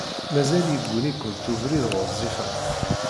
Mazal yegguni-kent ubrid ɣezzifen.